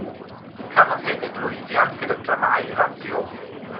Cafodd hefyd lwyddiant gyda dramâu radio.